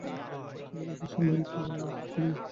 ছেলেটার কথাবার্তা শুনে তাে আমার আক্কেল গুড়ুম!